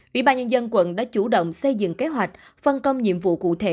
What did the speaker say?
ủy ban nhân dân quận đã chủ động xây dựng kế hoạch phân công nhiệm vụ cụ thể